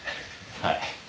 はい。